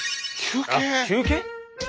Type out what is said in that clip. あっ休憩。